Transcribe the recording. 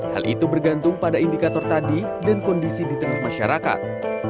hal itu bergantung pada indikator tadi dan kondisi di tengah masyarakat